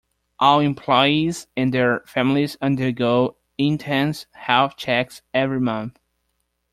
All employees and their families undergo intense health checks every month.